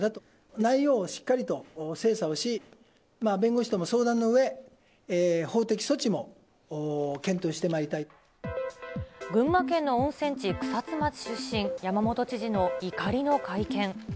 内容をしっかりと精査をし、弁護士とも相談のうえ、群馬県の温泉地、草津町出身、山本知事の怒りの会見。